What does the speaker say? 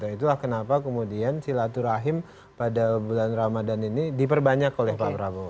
itulah kenapa kemudian silaturahim pada bulan ramadan ini diperbanyak oleh pak prabowo